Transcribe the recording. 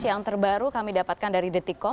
yang terbaru kami dapatkan dari detikom